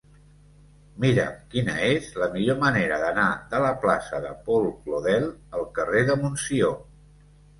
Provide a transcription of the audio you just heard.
Mira'm quina és la millor manera d'anar de la plaça de Paul Claudel al carrer de Montsió.